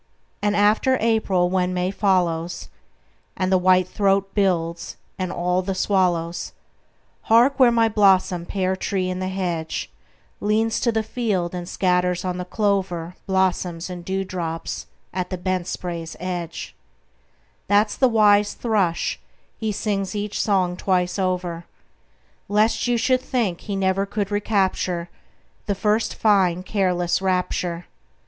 And after April, when May follows, And the whitethroat builds, and all the swallows! Hark, where my blossomed pear tree in the hedge Leans to the field and scatters on the clover Blossoms and dewdrops at the bent spray's edge That's the wise thrush; he sings each song twice over, Lest you should think he never could recapture The first fine careless rapture!